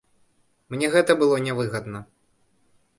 Мне гэта было нявыгадна.